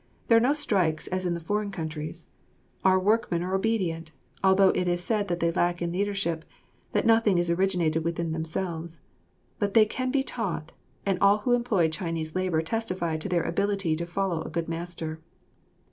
There are no strikes as in the foreign countries. Our workmen are obedient, although it is said that they lack in leadership, that nothing is originated within themselves; but they can be taught, and all who employ Chinese labour testify to their ability to follow a good master.